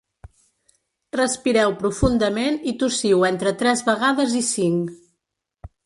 Respireu profundament i tossiu entre tres vegades i cinc.